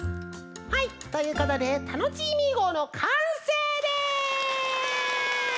はいということでタノチーミーごうのかんせいです！